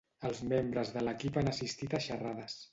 els membres de l'equip han assistit a xerrades